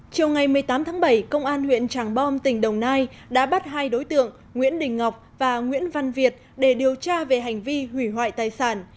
chiều ngày một mươi tám tháng bảy công an huyện tràng bom tỉnh đồng nai đã bắt hai đối tượng nguyễn đình ngọc và nguyễn văn việt để điều tra về hành vi hủy hoại tài sản